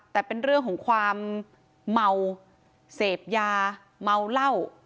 แต่เป็นเรื่องของความเมาเสพยาเมาเหล้า